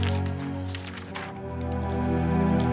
sakit yang akan tambah parah